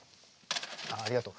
ああありがとう。